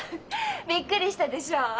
びっくりしたでしょう？